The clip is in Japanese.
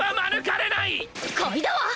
買いだわ！